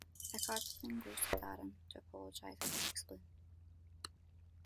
Picard then goes to Daren to apologize and to explain.